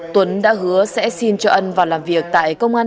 tuấn đã hứa sẽ xin cho ân vào làm việc tại công an